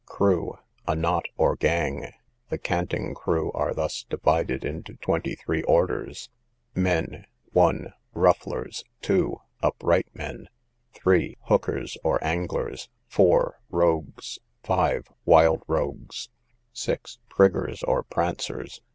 Crew, a knot or gang: the canting crew are thus divided into twenty three orders:— MEN. 1. Rufflers. 2. Upright Men. 3. Hookers, or Anglers. 4. Rogues. 5. Wild Rogues. 6. Priggers, or Prancers.